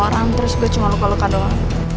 orang terus gue cuma lu kalau kandungan